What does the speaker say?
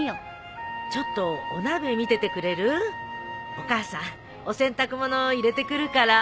お母さんお洗濯物入れてくるから。